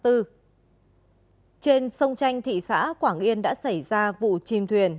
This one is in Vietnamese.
trên sông chanh thị xã quảng yên đã xảy ra vụ chìm thuyền